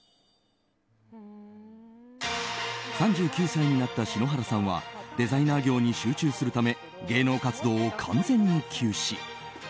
３９歳になった篠原さんはデザイナー業に集中するため芸能活動を完全に休止。